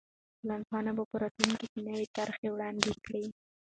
ټولنپوهان به په راتلونکي کې نوې طرحې وړاندې کړي.